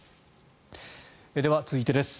では続いてです。